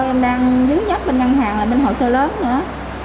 em đang dưới nhấp bên ngân hàng là bên hồ sơ lớn nữa